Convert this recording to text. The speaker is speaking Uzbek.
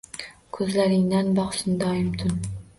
Ko‘zlaringdan boqsin doim tun